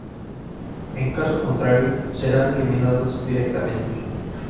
En caso contrario, serán eliminados directamente.